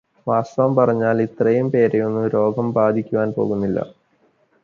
വാസ്തവം പറഞ്ഞാല്, ഇത്രയും പേരെയൊന്നും രോഗം ബാധിക്കുവാന് പോകുന്നില്ല.